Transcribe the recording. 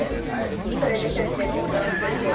それで、しょっちゅうケンカをしていて。